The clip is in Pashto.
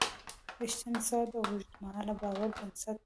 رښتینې سودا د اوږدمهاله باور بنسټ دی.